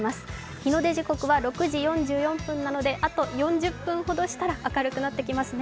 日の出時刻は６時４４分なのであと４０分ほどしたら明るくなってきますね。